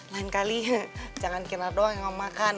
lain kali jangan kina doang yang mau makan